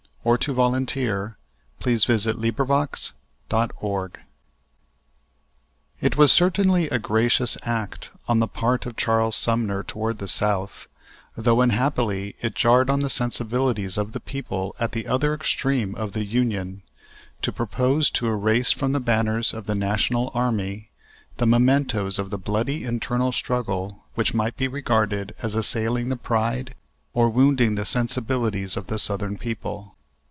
(1861â1905). 1906. L.Q.C. Lamar On Sumner and the South IT was certainly a gracious act on the part of Charles Sumner toward the South, tho unhappily it jarred on the sensibilities of the people at the other extreme of the Union, to propose to erase from the banners of the national army the mementoes of the bloody internal struggle which might be regarded as assailing the pride or wounding the sensibilities of the Southern people.